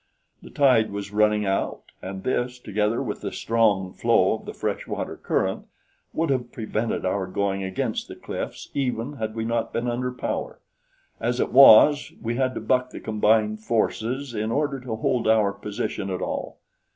The tide was running out, and this, together with the strong flow of the freshwater current, would have prevented our going against the cliffs even had we not been under power; as it was we had to buck the combined forces in order to hold our position at all.